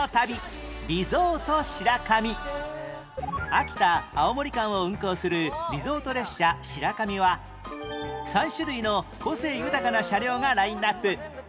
秋田青森間を運行するリゾート列車しらかみは３種類の個性豊かな車両がラインアップ